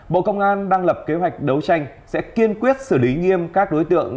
bộ công an đang lập kế hoạch đấu tranh sẽ kiên quyết xử lý nghiêm các đối tượng